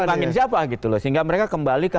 mengangin siapa gitu loh sehingga mereka kembali ke